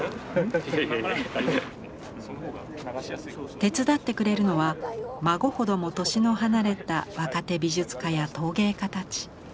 手伝ってくれるのは孫ほども年の離れた若手美術家や陶芸家たち。